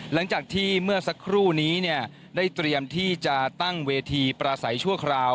หลังจากที่เมื่อสักครู่นี้ได้เตรียมที่จะตั้งเวทีประสัยชั่วคราว